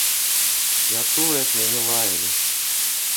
Я чула, як мяне лаялі.